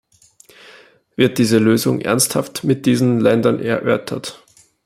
Wird diese Lösung ernsthaft mit diesen Ländern erörtert?